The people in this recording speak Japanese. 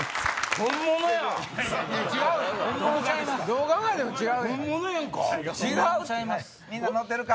本物やんか！